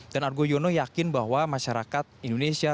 dan argo yono yakin bahwa masyarakat indonesia